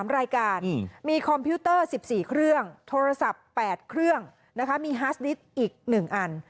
๓รายการมีคอมพิวเตอร์๑๔เครื่องโทรศัพท์๘เครื่องมีฮาสดิตอีก๑อัน